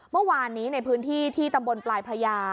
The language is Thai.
เมื่อวานนี้ในพื้นที่ที่ตำบลปลายพระยา